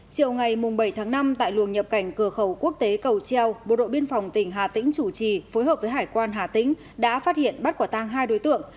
chiều ngày bảy tháng năm tại luồng nhập cảnh cửa khẩu quốc tế cầu treo bộ đội biên phòng tỉnh hà tĩnh chủ trì phối hợp với hải quan hà tĩnh đã phát hiện bắt quả tang hai đối tượng